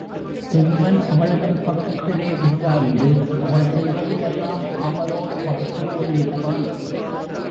சிறுவன் அவளுக்குப் பக்கத்திலே உட்கார்ந்து அவள் செய்வதையெல்லாம் ஆவலோடு பார்த்துக் கொண்டிருப்பான்.